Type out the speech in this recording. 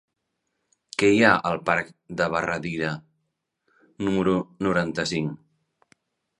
Què hi ha al parc de Bederrida número noranta-cinc?